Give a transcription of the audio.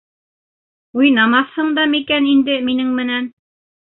Уйнамаҫһың да микән инде минең менән?